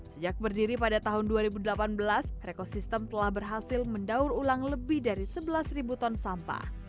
sejak berdiri pada tahun dua ribu delapan belas ekosistem telah berhasil mendaur ulang lebih dari sebelas ton sampah